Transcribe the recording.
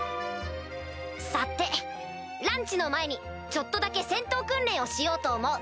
さてランチの前にちょっとだけ戦闘訓練をしようと思う。